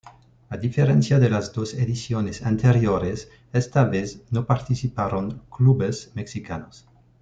A diferencia de las dos ediciones anteriores, esta vez no participaron clubes mexicanos.